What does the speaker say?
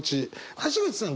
橋口さん